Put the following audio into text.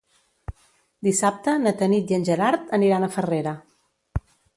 Dissabte na Tanit i en Gerard aniran a Farrera.